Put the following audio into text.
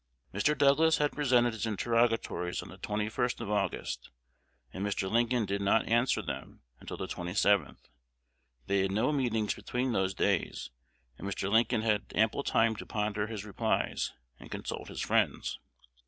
Mr. Douglas had presented his interrogatories on the 21st of August, and Mr. Lincoln did not answer them until the 27th. They had no meetings between those days; and Mr. Lincoln had ample time to ponder his replies, and consult his friends.